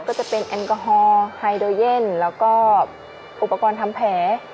ก็จะเป็นแอลกอฮอลไฮโดเย่นแล้วก็อุปกรณ์ทำแผล